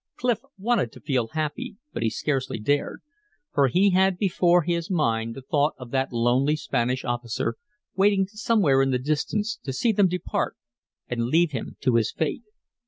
Clif wanted to feel happy, but he scarcely dared. For he had before his mind the thought of that lonely Spanish officer, waiting somewhere in the distance to see them depart and leave him to his fate.